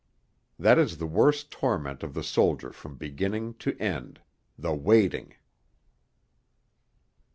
That is the worst torment of the soldier from beginning to end the waiting....